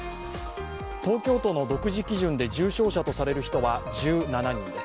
東京都の独自基準で重症者とされる人は１７人です。